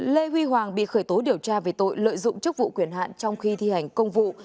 lê huy hoàng bị khởi tố điều tra về tội lợi dụng chức vụ quyền hạn trong khi thi hành công vụ